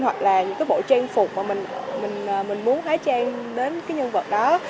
hoặc là những bộ trang phục mà mình muốn hái trang đến nhân vật đó